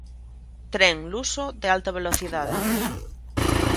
Tren luso de alta velocidade.